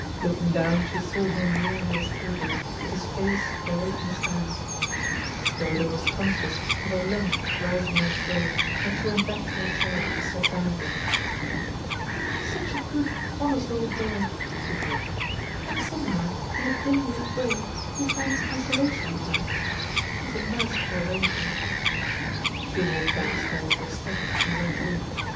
Looking down she saw him kneeling at his table, with his face buried in his hands. Dodo was conscious of a lump rising in her throat, and she went back to her chair, and sat down again. "He is such a good, honest old boy," she thought, "and somehow, in a dim lit way, he finds consolation in that. It is a merciful arrangement." She walked downstairs to his study, and went in.